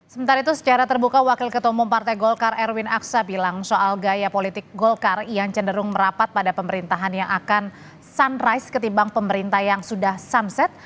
sementara itu secara terbuka wakil ketua umum partai golkar erwin aksa bilang soal gaya politik golkar yang cenderung merapat pada pemerintahan yang akan sunrise ketimbang pemerintah yang sudah sumset